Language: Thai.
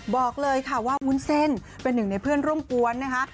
บอกเลยค่ะว่าวุ้นเส้นเป็นหนึ่งในเพื่อนร่วมกวนนะคะ